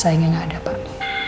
saya nggak ada pak